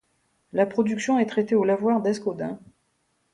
La production est traitée au lavoir d'Escaudain.